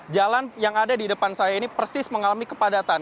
jalan yang ada di depan saya ini persis mengalami kepadatan